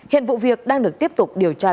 hiện vụ việc đang được tiếp tục điều tra làm